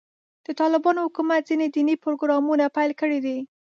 د طالبانو حکومت ځینې دیني پروګرامونه پیل کړي دي.